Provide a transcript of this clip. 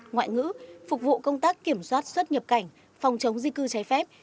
ngoại ngữ phục vụ công tác kiểm soát xuất nhập cảnh phòng chống di cư trái phép